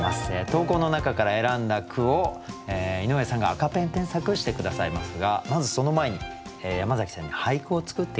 投稿の中から選んだ句を井上さんが赤ペン添削して下さいますがまずその前に山崎さんに俳句を作ってきて頂きました。